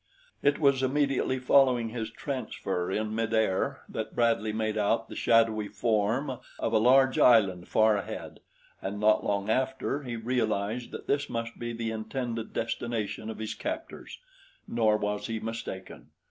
It was immediately following his transfer in mid air that Bradley made out the shadowy form of a large island far ahead, and not long after, he realized that this must be the intended destination of his captors. Nor was he mistaken.